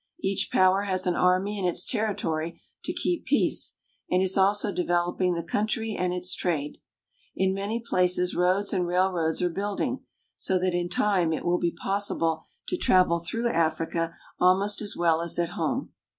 Each power has an army in its terri tory to keep peace, and is also developing the country and its trade. In many places roads and railroads are building, so that in time it will be possible to travel through Africa almost as well as at home.